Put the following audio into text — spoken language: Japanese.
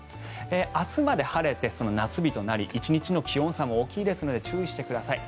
明日まで晴れて夏日となり１日の気温差も大きいので注意してください。